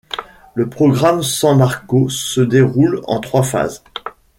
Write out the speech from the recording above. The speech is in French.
Le programme San Marco se déroule en trois phases.